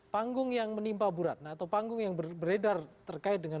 panggung yang menimpa bu ratna atau panggung yang beredar terkait dengan